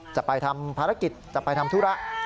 จะไปทำภารกิจจะไปทำธุระ